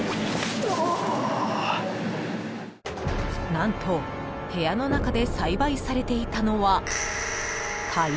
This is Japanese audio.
［何と部屋の中で栽培されていたのは］